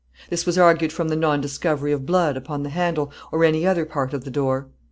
This was argued from the non discovery of blood upon the handle, or any other part of the door.